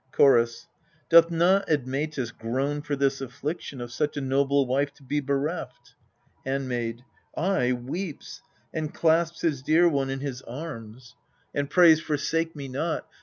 Chorus. Doth not Admetus groan for this affliction Of such a noble wife to be bereft ? Handmaid. Ay, weeps, and clasps his dear one in his arms, 206 EURIPIDES And prays, " Forsake me not